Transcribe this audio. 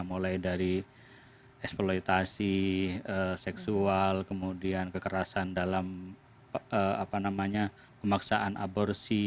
mulai dari eksploitasi seksual kemudian kekerasan dalam pemaksaan aborsi